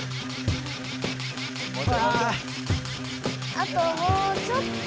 あともうちょっと。